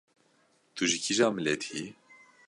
Tu ji kîjan miletî yî?